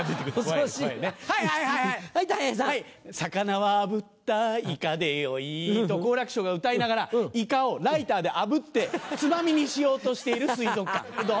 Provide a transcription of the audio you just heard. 肴はあぶったイカでよいと好楽師匠が歌いながらイカをライターであぶってつまみにしようとしている水族館どう？